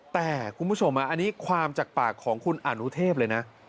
แต่คุณผู้ชมอันนี้ความจากปากของคุณอนุเทพเลยนะ